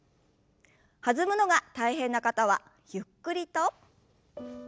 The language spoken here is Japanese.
弾むのが大変な方はゆっくりと。